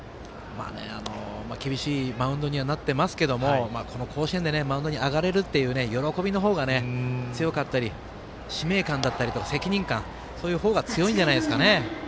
厳しいマウンドにはなってますが甲子園でマウンドに上がれるという喜びの方が強かったり、使命感だったり責任感、そういう方が強いんじゃないですかね。